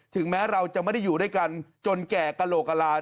ถึงแม้เราจะไม่ได้อยู่ด้วยกันจนแก่กระโหลกกระลา